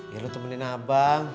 ya lu temenin abang